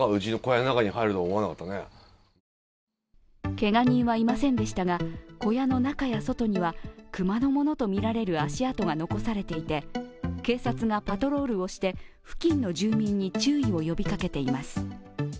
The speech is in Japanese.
けが人はいませんでしたが、小屋の中や外には熊のものとみられる足跡が残されていて、警察がパトロールをして、付近の住民に注意を呼びかけています。